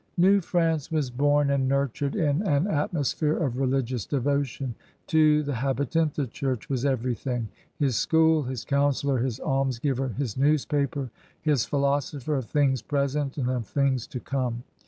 New France was bom and nurtured in an atmosphere of religious devotion. To the habi tant the Church was everything — his school, his counselor, his almsgiver, his newspaper, his philosopher of things present and of things to come.